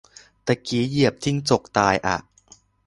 ตะกี้เหยียบจิ้งจกตายอ่ะ